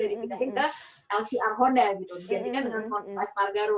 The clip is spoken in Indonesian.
dibandingkan dengan alex margaro